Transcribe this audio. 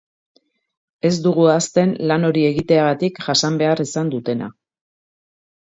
Ez dugu ahazten lan hori egiteagatik jasan behar izan dutena.